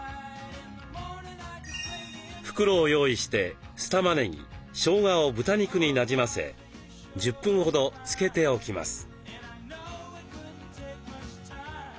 袋を用意して酢たまねぎしょうがを豚肉になじませ１０分ほど漬けておきます。